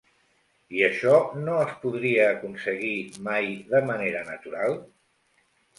I això no es podria aconseguir mai de manera natural?